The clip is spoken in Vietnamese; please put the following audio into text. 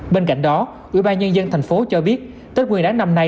bên cạnh đó ưu ba nhân dân thành phố cho biết tết nguyên đáng năm nay